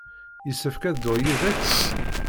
Yessefk ad dduɣ yid-k?